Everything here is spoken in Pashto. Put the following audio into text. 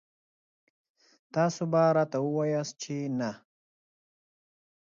تاسو به راته وواياست چې نه.